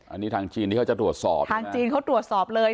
อันนี้ทางจีนที่เขาจะตรวจสอบทางจีนเขาตรวจสอบเลย